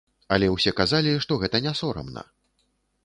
Але ўсе казалі, што гэта не сорамна.